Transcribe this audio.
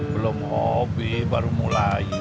belum hobi baru mulai